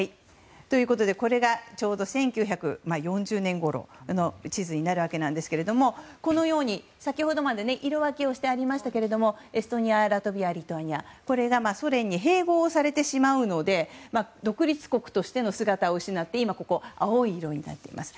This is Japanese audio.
これがちょうど１９４０年ごろの地図になるわけですがこのように先ほどまで色分けしてありましたけれどもエストニア、ラトビアリトアニアこれがソ連に併合されてしまうので独立国としての姿を失って青い色になっています。